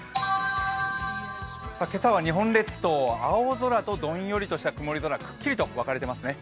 今朝は日本列島、青空とどんよりとした曇り空くっきりと分かれてますね。